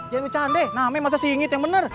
jangan bicara dek namanya masa singgit yang bener